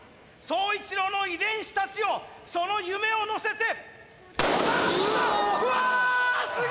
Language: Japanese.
宗一郎の遺伝子たちよその夢を乗せて。